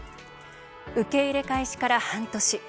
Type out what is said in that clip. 受け入れ開始から半年。